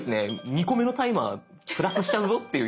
２個目のタイマープラスしちゃうぞっていうやつなので。